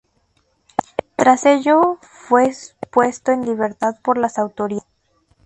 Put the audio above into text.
Tras ello fue puesto en libertad por las autoridades.